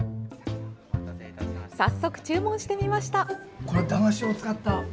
早速、注文してみました！